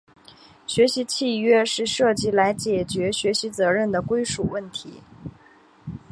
学习契约是设计来解决学习责任的归属问题。